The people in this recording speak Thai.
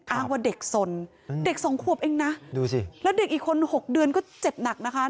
อ้างว่าเด็กสนเด็กสองขวบเองนะดูสิแล้วเด็กอีกคน๖เดือนก็เจ็บหนักนะคะ